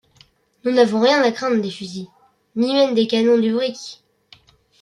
Nous n’avons rien à craindre des fusils, ni même des canons du brick.